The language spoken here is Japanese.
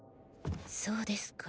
そうですか。